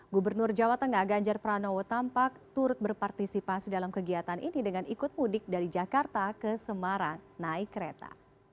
gubernur jawa tengah ganjar pranowo tampak turut berpartisipasi dalam kegiatan ini dengan ikut mudik dari jakarta ke semarang naik kereta